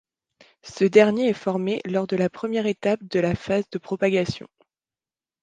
Ce dernier est formé lors de la première étape de la phase de propagation.